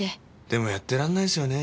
でもやってらんないですよね